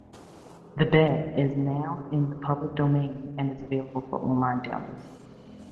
"The Bat" is now in the public domain, and is available for online download.